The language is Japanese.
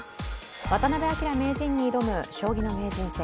渡辺明名人に挑む将棋の名人戦